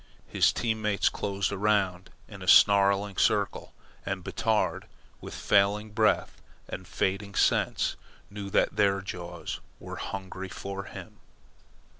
His team mates closed around in a snarling circle, and Batard, with failing breath and fading sense, knew that their jaws were hungry for him.